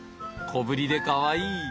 小ぶりでかわいい。